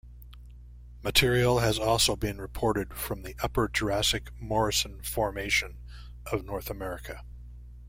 Material has also been reported from the Upper Jurassic Morrison Formation of North America.